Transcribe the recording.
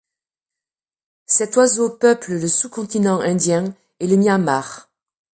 Cet oiseau peuple le sous-continent indien et le Myanmar.